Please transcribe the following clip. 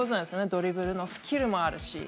ドリブルのスキルもあるし。